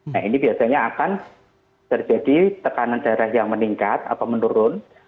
nah ini biasanya akan terjadi tekanan darah yang meningkat atau menurun